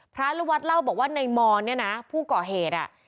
พระลูกวัดเล่าบอกว่าในมอนเนี่ยนะผู้ก่อเหตุอ่ะ